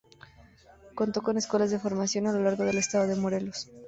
Contó con escuelas de formación a lo largo del estado de Morelos.